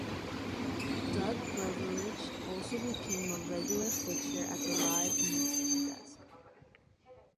Doug Beveridge also became a regular fixture at the live mixing desk.